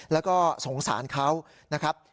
แล้วก็สงสารเขานะครับ